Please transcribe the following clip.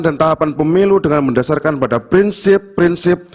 dan tahapan pemilu dengan mendasarkan pada prinsip prinsip